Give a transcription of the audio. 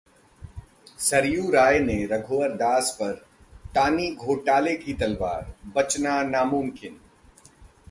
सरयू राय ने रघुवर दास पर तानी ‘घोटाले’ की तलवार, बचना नामुमकिन!